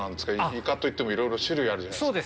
イカといっても、いろいろ種類があるじゃないですか。